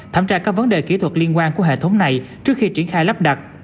thẩm tra các vấn đề kỹ thuật liên quan của hệ thống này trước khi triển khai lắp đặt